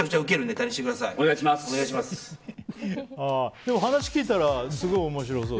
でも話を聞いたらすごい面白そう。